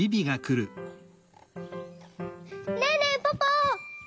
ねえねえポポ！